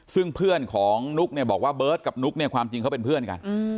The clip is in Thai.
ซึ่งเพื่อนของนุ๊กเนี่ยบอกว่าเบิร์ตกับนุ๊กเนี่ยความจริงเขาเป็นเพื่อนกัน